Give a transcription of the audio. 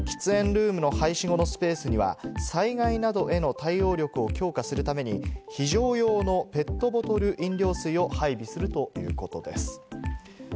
喫煙ルームの廃止後のスペースには、災害などへの対応力を強化するために非常用のペットボトル飲料水を配備するということです。